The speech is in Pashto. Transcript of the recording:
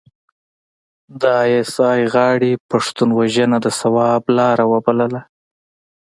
د ای اس ای غاړې پښتون وژنه د ثواب لاره وبلله.